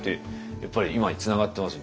やっぱり今につながってますよ